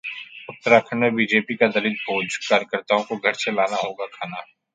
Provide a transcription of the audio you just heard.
उत्तराखंड में बीजेपी का दलित भोज, कार्यकर्ताओं को घर से लाना होगा खाना